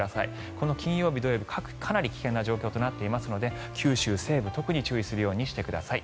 この金曜日、土曜日かなり危険な状況となっていますので九州西部、特に注意するようにしてください。